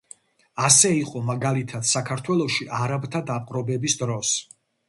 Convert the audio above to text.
ასე იყო, მაგალითად საქართველოში არაბთა დაპყრობების დროს.